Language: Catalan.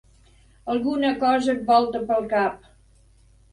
Alguna cosa et volta pel cap.